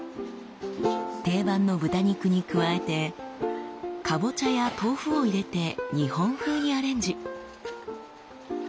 定番の豚肉に加えてかぼちゃや豆腐を入れて日本風にアレンジ。